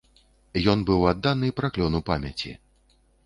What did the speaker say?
Ён быў адданы праклёну памяці.